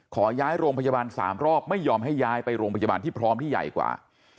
ขอย้ายโรงพยาบาล๓รอบไม่ยอมให้ย้ายไปโรงพยาบาลที่พร้อมที่ใหญ่กว่า